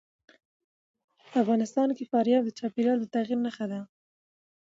افغانستان کې فاریاب د چاپېریال د تغیر نښه ده.